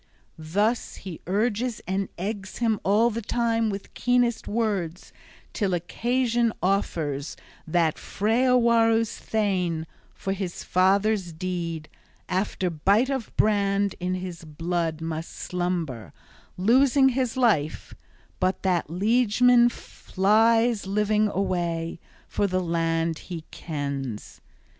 _ Thus he urges and eggs him all the time with keenest words, till occasion offers that Freawaru's thane, for his father's deed, after bite of brand in his blood must slumber, losing his life; but that liegeman flies living away, for the land he kens.